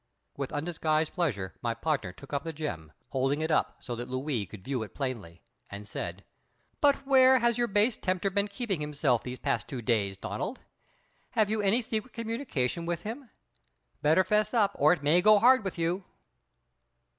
With undisguised pleasure my partner took the gem, holding it up so that Louis could view it plainly, and said: "But where has your base tempter been keeping himself these past two days, Donald? Have you had any secret communications with him? Better 'fess up, or it may go hard with you."